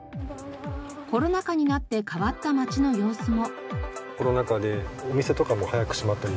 コロナ禍になって変わった街の様子も。